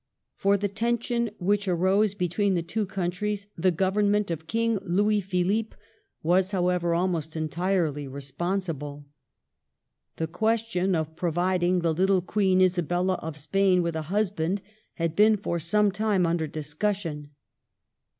For the tension which arose between the nSriages ^^^ countries the Government of King Louis Philippe was, however, almost entirely responsible. The question of providing the little Queen Isabella of Spain with a husband had been for some time under discussion.